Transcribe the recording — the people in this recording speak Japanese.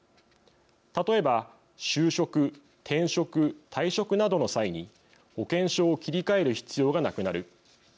例えば就職、転職、退職などの際に保険証を切り替える必要がなくなる。